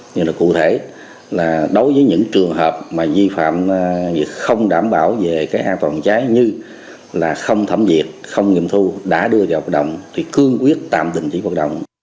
nhưng mà cụ thể là đối với những trường hợp mà vi phạm không đảm bảo về cái an toàn cháy như là không thẩm việc không nghiệm thu đã đưa vào hoạt động thì cương quyết tạm định chỉ hoạt động